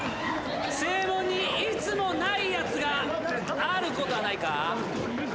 正門にいつもないやつがあることはないか？